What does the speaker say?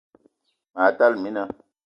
Ma tala mina